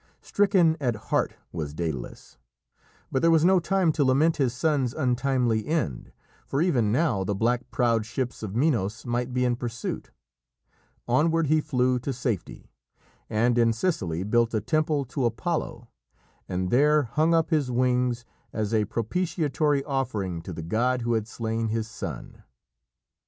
Stricken at heart was Dædalus, but there was no time to lament his son's untimely end, for even now the black prowed ships of Minos might be in pursuit. Onward he flew to safety, and in Sicily built a temple to Apollo, and there hung up his wings as a propitiatory offering to the god who had slain his son.